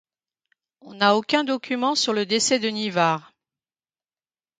On n'a aucun document sur le décès de Nivard.